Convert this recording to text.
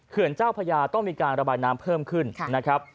เขื่อนเจ้าพระยาต้องมีการระบายน้ำเพิ่มขึ้นค่ะนะครับ